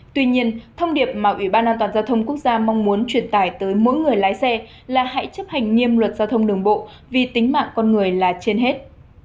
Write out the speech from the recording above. tuy nhiên thông điệp mà ủy ban an toàn giao thông quốc gia mong muốn truyền tải tới mỗi người lái xe là hãy chấp hành nghiêm luật giao thông đường bộ vì tính mạng con người là trên hết